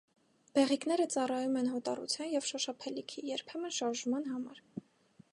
Բեղիկները ծառայում են հոտառության և շոշափելիքի, երբեմն շարժման համար։